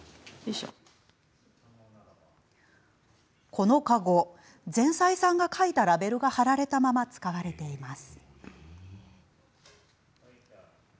この籠前妻さんが書いたラベルが貼られたまま使われています。